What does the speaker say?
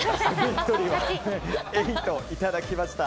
エイト、いただきました。